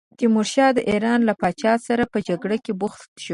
تیمورشاه د ایران له پاچا سره په جګړه بوخت شو.